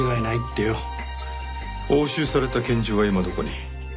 押収された拳銃は今どこに？